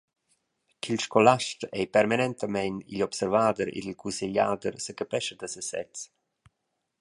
Ch’il scolast ei permanentamein igl observader ed il cussegliader secapescha da sesez.